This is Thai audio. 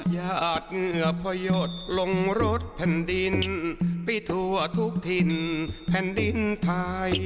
ยาดเหงื่อพ่อยดลงรถแผ่นดินพี่ถั่วทุกทินแผ่นดินไทย